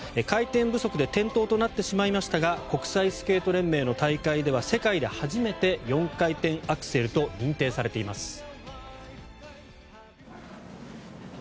回転不足で転倒となってしまいましたが国際スケート連盟の大会では世界で初めて４回転アクセルと認定されています。